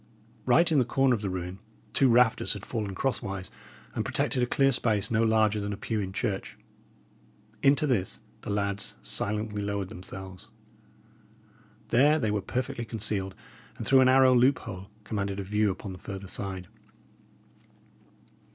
Right in the corner of the ruin, two rafters had fallen crosswise, and protected a clear space no larger than a pew in church. Into this the lads silently lowered themselves. There they were perfectly concealed, and through an arrow loophole commanded a view upon the farther side.